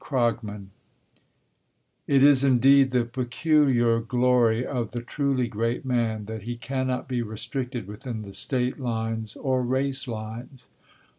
CROGMAN It is indeed the peculiar glory of the truly great man, that he cannot be restricted within the State lines or race lines.